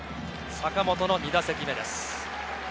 坂本の２打席目です。